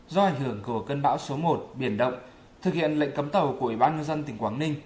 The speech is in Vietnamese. do ảnh hưởng của cơn bão số một biển động thực hiện lệnh cấm tàu của ủy ban nhân dân tỉnh quảng ninh